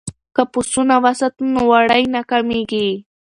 که پسونه وساتو نو وړۍ نه کمیږي.